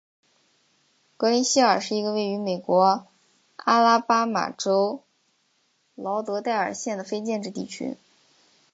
格林希尔是一个位于美国阿拉巴马州劳德代尔县的非建制地区。